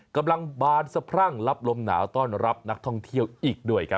กำลังบานสะพรั่งรับลมหนาวต้อนรับนักท่องเที่ยวอีกด้วยครับ